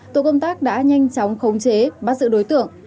tổ công tác đã nhanh chóng khống chế bắt giữ đối tượng